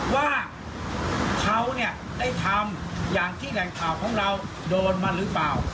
ว่าเขาเนี่ยได้ทำอย่างที่แหล่งข่าวของเราโดนมาหรือเปล่า